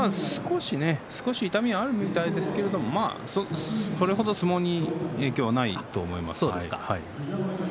少し痛みはあるみたいですけれどそれ程、相撲に影響はないと思います。